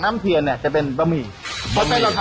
ราดเยาะหมูค่ะ